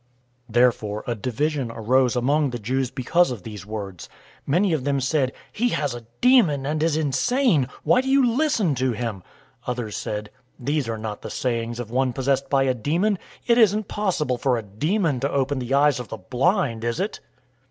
010:019 Therefore a division arose again among the Jews because of these words. 010:020 Many of them said, "He has a demon, and is insane! Why do you listen to him?" 010:021 Others said, "These are not the sayings of one possessed by a demon. It isn't possible for a demon to open the eyes of the blind, is it?"